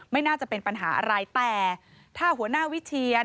ไม่น่าจะเป็นปัญหาอะไรแต่ถ้าหัวหน้าวิเชียน